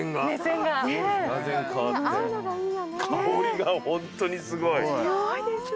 香りがホントにすごい。